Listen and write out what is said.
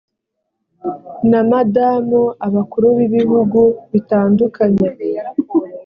na madamu abakuru b ibihugu bitandukanye